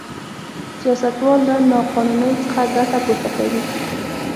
سیاستوال له نا قانونۍ څخه ګټه پورته کوي.